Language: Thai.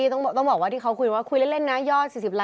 ต้องบอกว่าที่เค้าคุยเล่นนะ